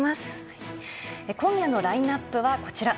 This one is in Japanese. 今夜のラインアップはこちら。